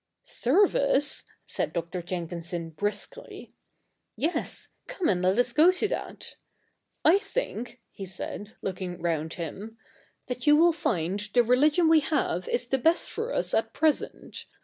'Service!' said Dr. Jenkinson briskly: 'yes, come and let us go to that. I think," he said, looking round him, 'that you will find the religion we have is the best for us at present.